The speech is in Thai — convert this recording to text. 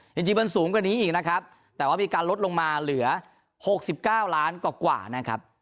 จริงจริงมันสูงกว่านี้อีกนะครับแต่ว่ามีการลดลงมาเหลือหกสิบเก้าล้านกว่ากว่านะครับ